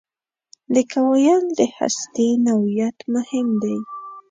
د کوایل د هستې نوعیت مهم دی.